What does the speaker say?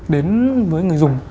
đến với người dùng